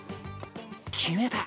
決めた！